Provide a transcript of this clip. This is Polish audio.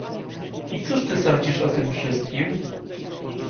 I cóż ty sądzisz o tym wszystkim?